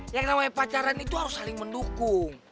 yang namanya pacaran itu harus saling mendukung